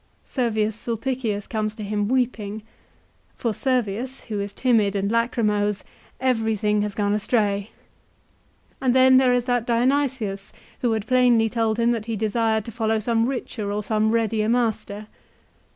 Servius Sulpicius comes to him weeping. For Servius, who is timid and lachrymose, everything has gone astray. And then there is that Dionysius, who had plainly told him that he desired to follow some richer or some readier master.